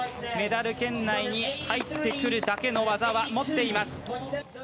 メダル圏内に入ってくるだけの技は持っています。